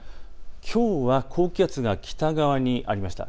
きょうは高気圧が北側にありました。